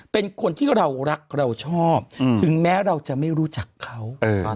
เป็นคนที่เรารักเราชอบถึงแม้เราจะไม่รู้จักเขา